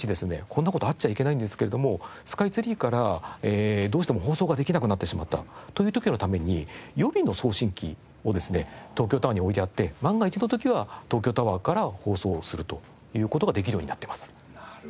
こんな事あっちゃいけないんですけれどもスカイツリーからどうしても放送ができなくなってしまったという時のために予備の送信機をですね東京タワーに置いてあって万が一の時は東京タワーから放送するという事ができるようになってます。